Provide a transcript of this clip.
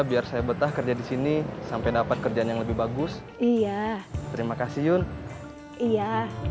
biar saya betah kerja di sini sampai dapat kerjaan yang lebih bagus iya terima kasih yun iya